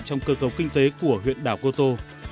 trong cơ cấu kinh tế của huyện đảo cô tô